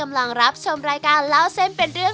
เมล็ดการีกว่าสุดนึง